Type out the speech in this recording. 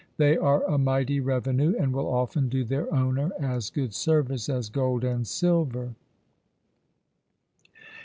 They are a mighty revenue, and will often do their owner as good service as gold and silver.